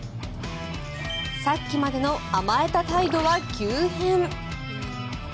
さっきまでの甘えた態度は急変。